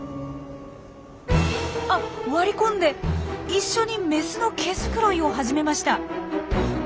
あっ割り込んで一緒にメスの毛づくろいを始めました。